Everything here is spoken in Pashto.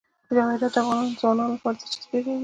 جواهرات د افغان ځوانانو لپاره دلچسپي لري.